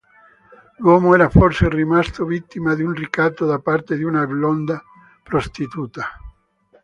L'uomo era forse rimasto vittima di un ricatto da parte di una bionda prostituta.